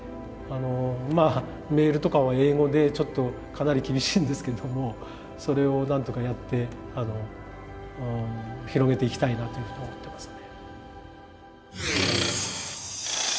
まあメールとかは英語でちょっとかなり厳しいんですけれどもそれをなんとかやって広げていきたいなというふうに思ってますね。